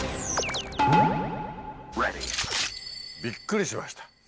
びっくりしました。